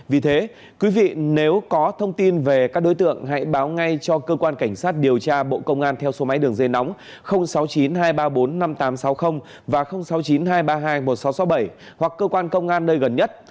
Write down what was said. vì thế quý vị nếu có thông tin về các đối tượng hãy báo ngay cho cơ quan cảnh sát điều tra bộ công an theo số máy đường dây nóng sáu mươi chín hai trăm ba mươi bốn năm nghìn tám trăm sáu mươi và sáu mươi chín hai trăm ba mươi hai một nghìn sáu trăm sáu mươi bảy hoặc cơ quan công an nơi gần nhất